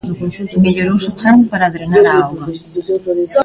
Mellorouse o chan para drenar a auga.